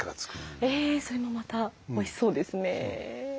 えそれもまたおいしそうですね。